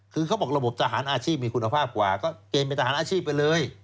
คือเขาบอกระบบทหารอาชีพมีคุณภาพกว่าก็เกณฑ์เป็นทหารอาชีพกันเลย